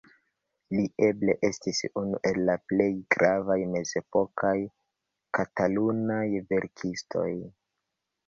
Li eble estis unu el la plej gravaj mezepokaj katalunaj verkistoj.